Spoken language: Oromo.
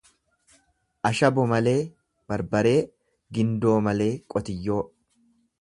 Ashabo malee barbaree, gindoo malee qotiyyoo.